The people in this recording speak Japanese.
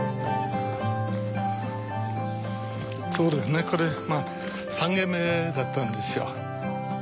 そうですねこれまあ３軒目だったんですよ。